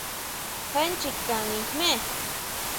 Jé nchikan nijme.